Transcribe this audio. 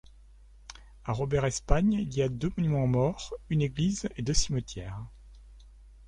À Robert-Espagne, il y a deux monuments aux morts, une église et deux cimetières.